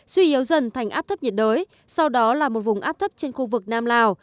suy yếu dần thành áp thấp nhiệt đới sau đó là một vùng áp thấp trên khu vực nam lào